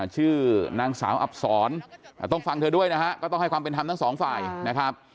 ชื่อนางสาวอับศรต้องฟังเธอด้วยนะฮะก็ต้องให้ความเป็นธรรมทั้งสองฝ่ายนะครับ